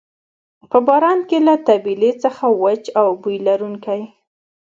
په باران کې له طبیلې څخه وچ او بوی لرونکی.